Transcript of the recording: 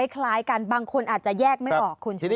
คล้ายกันบางคนอาจจะแยกไม่ออกคุณชนะ